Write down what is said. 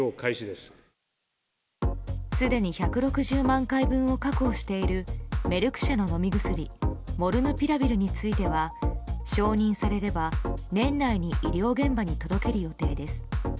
すでに１６０万回分を確保しているメルク社の飲み薬モルヌピラビルについては承認されれば年内に医療現場に届ける予定です。